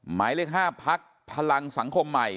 หมายเลข๕พักพลังสังคมใหม่